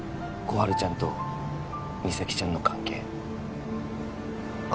春ちゃんと実咲ちゃんの関係心